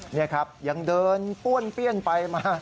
นี่ครับยังเดินป้วนเปี้ยนไปมา